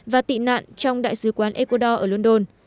và tị nạn trong đại sứ quán ecuador ở london